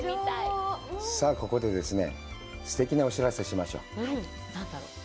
さあ、ここでですね、すてきなお知らせをしましょう。